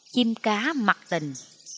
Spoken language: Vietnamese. chim cá mặc tình